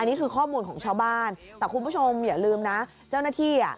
นี่คือข้อมูลของชาวบ้านแต่คุณผู้ชมอย่าลืมนะเจ้าหน้าที่อ่ะ